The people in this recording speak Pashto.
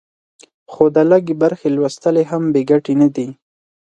خو د لږې برخې لوستل یې هم بې ګټې نه دي.